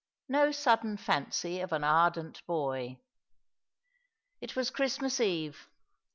"no sudden fancy of an ardent boy." It was Christmas Eve.